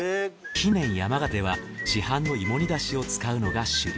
近年山形では市販の芋煮ダシを使うのが主流。